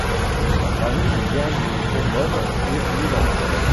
Sa famille vient de Crémone et Milan.